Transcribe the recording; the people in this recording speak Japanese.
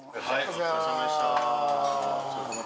お疲れさまです。